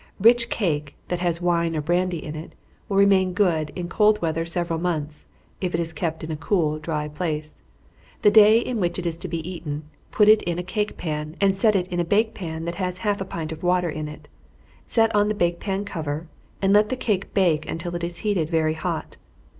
Rich cake, that has wine or brandy in it, will remain good in cold weather several months, if it is kept in a cool, dry place. The day in which it is to be eaten, put it in a cake pan, and set it in a bake pan that has half a pint of water in it set on the bake pan cover, and let the cake bake till it is heated very hot.